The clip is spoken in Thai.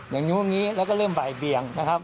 อย่างนี้แล้วก็เริ่มบ่ายเบียงนะครับ